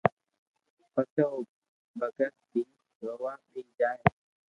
پسي او بگت بي رووا ٻيئي جائي